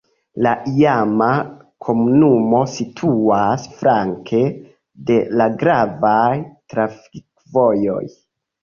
La iama komunumo situas flanke de la gravaj trafikvojoj.